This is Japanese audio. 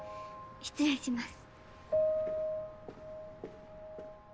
失礼します。